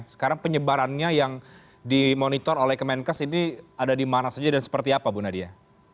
sekarang penyebarannya yang dimonitor oleh ke menkes ini ada dimana saja dan seperti apa bu nadia